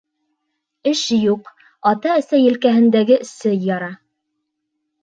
Эш юҡ, ата-әсә елкәһендәге сей яра.